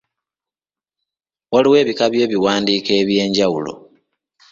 Waliwo ebika by'ebiwandiiko eby'enjawulo.